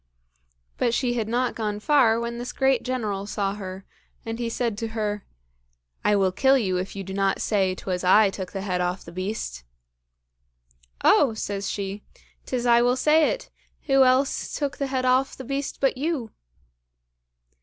But she had not gone far when this great General saw her, and he said to her, "I will kill you if you do not say 'twas I took the head off the beast." "Oh!" says she, "'tis I will say it; who else took the head off the beast but you!"